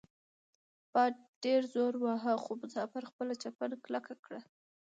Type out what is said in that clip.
باد ډیر زور وواهه خو مسافر خپله چپن کلکه کړه.